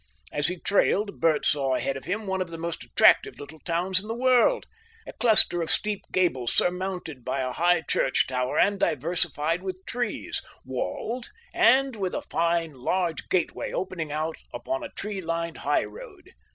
As he trailed, Bert saw ahead of him one of the most attractive little towns in the world a cluster of steep gables surmounted by a high church tower and diversified with trees, walled, and with a fine, large gateway opening out upon a tree lined high road.